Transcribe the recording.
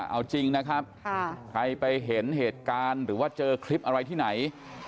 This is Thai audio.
เอาจริงนะครับใครไปเห็นเหตุการณ์หรือว่าเจอคลิปอะไรที่ไหน